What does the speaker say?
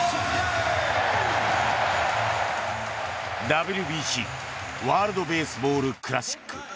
ＷＢＣ＝ワールド・ベースボール・クラシック。